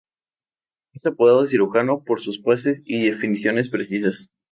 Es apodado "Cirujano" por sus pases y definiciones precisas.